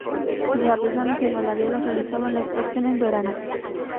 Los artesanos y asalariados realizaban la extracción en verano.